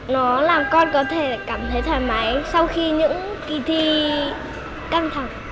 nó làm con có thể cảm thấy thoải mái sau khi những kỳ thi căng thẳng